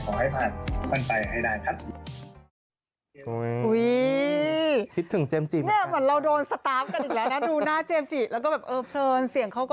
ขอให้ปลอดภัยจากโควิด๑๙ด้วยแล้วก็ขอให้สู้นะครับ